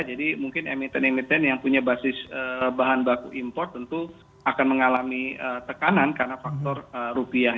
jadi mungkin emiten emiten yang punya basis bahan baku import tentu akan mengalami tekanan karena faktor rupiah